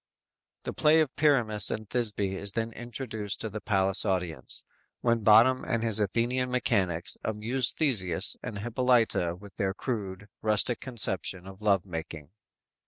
"_ The play of Pyramus and Thisby is then introduced to the palace audience, when Bottom and his Athenian mechanics amuse Theseus and Hippolyta with their crude, rustic conception of love making.